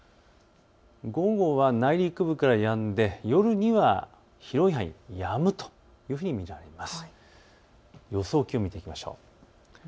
午後は内陸部からやんで夜には広い範囲、やむというふうに見られます。